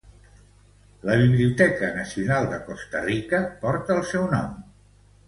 La Biblioteca Nacional de Costa Rica porta el seu nom.